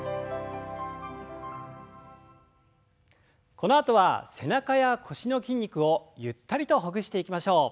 このあとは背中や腰の筋肉をゆったりとほぐしていきましょう。